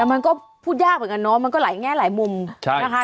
แต่มันก็พูดยากเหมือนกันเนาะมันก็หลายแง่หลายมุมนะคะ